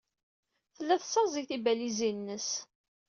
Tella tessaẓay tibalizin-nnes.